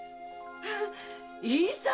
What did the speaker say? いいさ！